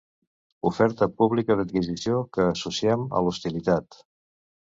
Oferta pública d'adquisició que associem a l'hostilitat.